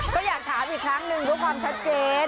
ก็อยากถามอีกครั้งนึงปรับความชัดเจน